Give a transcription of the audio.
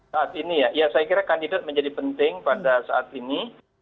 saat ini ya saya kira kandidat menjadi penting pada saat ini